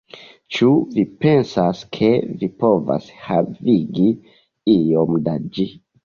Ĉu vi pensas, ke vi povas havigi iom da ĝi?